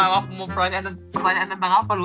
mau pertanyaan tentang apa lu